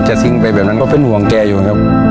ไม่ได้สิ้นไปแบบนั้นก็เป็นว่าห่วงแกอยู่นะครับ